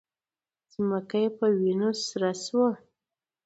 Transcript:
ځمکه یې په وینو سره شوه